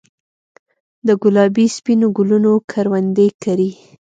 دګلابي ، سپینو ګلونو کروندې کرې